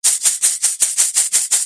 აქვეა გერმანელების სასაფლაოც.